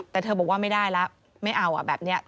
แต่เธอบอกว่าไม่ได้แล้วไม่เอาแบบนี้